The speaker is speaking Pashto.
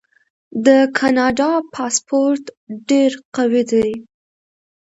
د کاناډا پاسپورت ډیر قوي دی.